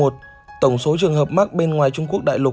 tổng số trường hợp mắc bên ngoài trung quốc đại lục năm trăm hai mươi bốn